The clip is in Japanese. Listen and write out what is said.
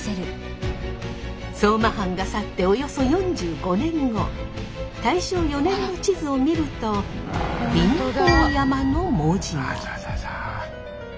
相馬藩が去っておよそ４５年後大正４年の地図を見るとの文字が。